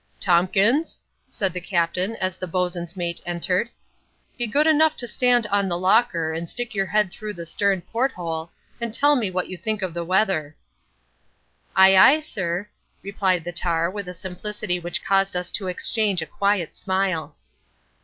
"Tompkins," said the Captain as the bosun's mate entered, "be good enough to stand on the locker and stick your head through the stern port hole, and tell me what you think of the weather." "Aye, aye, sir," replied the tar with a simplicity which caused us to exchange a quiet smile.